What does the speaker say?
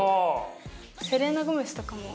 セレーナ・ゴメスとかも。